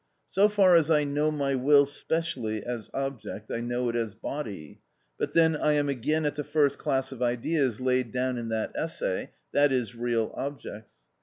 So far as I know my will specially as object, I know it as body. But then I am again at the first class of ideas laid down in that essay, i.e., real objects.